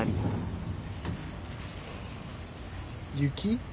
雪？